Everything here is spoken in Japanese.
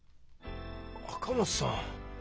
赤松さん。